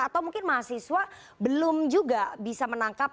atau mungkin mahasiswa belum juga bisa menangkap